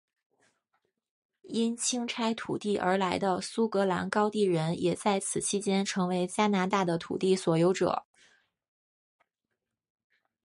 因清拆土地而来的苏格兰高地人也在此期间成为加拿大的土地所有者。